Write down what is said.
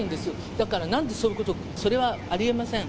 だからなんでそういうこと、それはありえません。